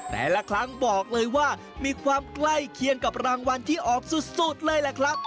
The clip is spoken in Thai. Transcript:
แต่ละครั้งบอกเลยว่ามีความใกล้เคียงกับรางวัลที่ออกสุดเลยแหละครับ